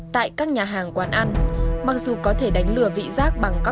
tại các nhà hàng quán ăn mặc dù có thể đánh lừa vị giác bằng các